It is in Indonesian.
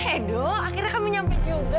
hedo akhirnya kamu nyampe juga